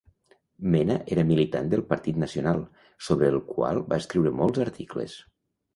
Mena era militant del Partit Nacional, sobre el qual va escriure molts articles.